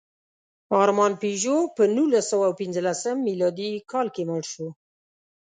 ارمان پيژو په نولسسوهپینځلسم مېلادي کال کې مړ شو.